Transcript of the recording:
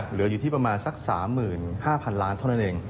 เหลืออยู่ที่ประมาณสัก๓๕๐๐๐ล้านเท่านั้นเอง